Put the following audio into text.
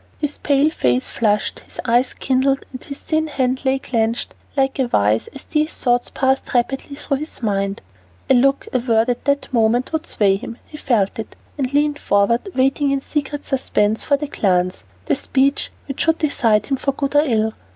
His pale face flushed, his eye kindled, and his thin hand lay clenched like a vise as these thoughts passed rapidly through his mind. A look, a word at that moment would sway him; he felt it, and leaned forward, waiting in secret suspense for the glance, the speech which should decide him for good or ill.